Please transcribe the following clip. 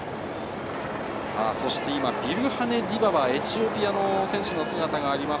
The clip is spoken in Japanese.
今、ビルハネ・ディババ、エチオピアの選手の姿があります。